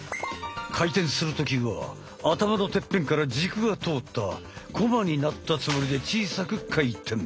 回転する時は頭のてっぺんから軸が通ったコマになったつもりで小さく回転。